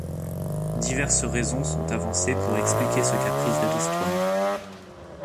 Diverses raisons sont avancées pour expliquer ce caprice de l'histoire.